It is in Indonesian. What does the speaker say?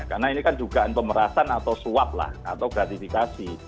karena ini kan dugaan pemerasan atau suap atau gratifikasi